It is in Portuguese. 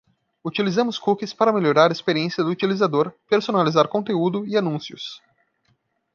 Utilizamos cookies para melhorar a experiência do utilizador, personalizar conteúdo e anúncios.